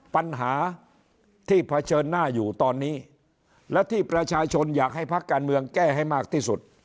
ปัญหาที่เผชิญหน้าอยู่ตอนนี้และที่ประชาชนอยากให้พักการเมืองแก้ให้มากที่สุด